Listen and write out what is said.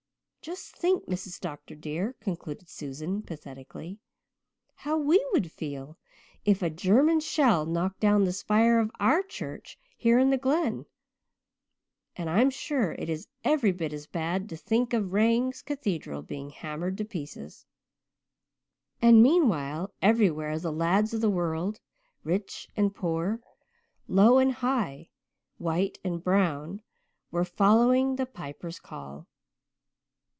Just think, Mrs. Dr. dear," concluded Susan pathetically, "how we would feel if a German shell knocked down the spire of our church here in the glen, and I'm sure it is every bit as bad to think of Rangs cathedral being hammered to pieces." And, meanwhile, everywhere, the lads of the world rich and poor, low and high, white and brown, were following the Piper's call.